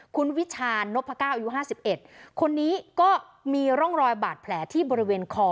คุณวิชานพก้าวอายุ๕๑คนนี้ก็มีร่องรอยบาดแผลที่บริเวณคอ